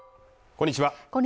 こんにちは